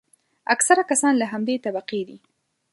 اکثره کسان له همدې طبقې دي.